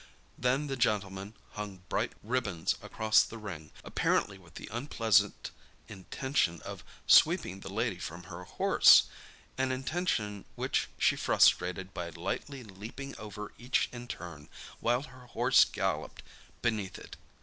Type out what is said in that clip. Then the gentleman hung bright ribbons across the ring, apparently with the unpleasant intention of sweeping the lady from her horse—an intention which she frustrated by lightly leaping over each in turn, while her horse galloped beneath it.